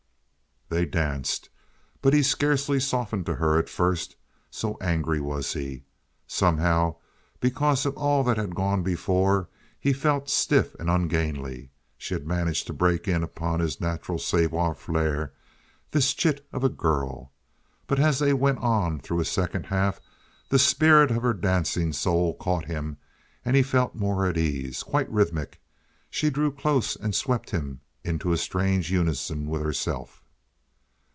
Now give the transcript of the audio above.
They danced, but he scarcely softened to her at first, so angry was he. Somehow, because of all that had gone before, he felt stiff and ungainly. She had managed to break in upon his natural savoir faire—this chit of a girl. But as they went on through a second half the spirit of her dancing soul caught him, and he felt more at ease, quite rhythmic. She drew close and swept him into a strange unison with herself.